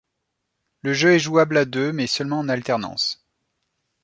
Le jeu est jouable à deux mais seulement en alternance.